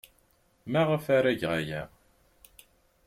Maɣef ara geɣ aya?